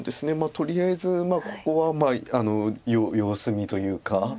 とりあえずここは様子見というか。